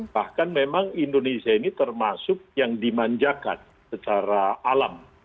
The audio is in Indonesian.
bahkan memang indonesia ini termasuk yang dimanjakan secara alam